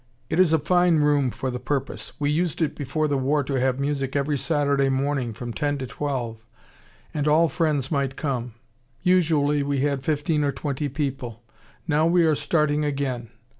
"It is a fine room for the purpose we used before the war to have music every Saturday morning, from ten to twelve: and all friends might come. Usually we had fifteen or twenty people. Now we are starting again.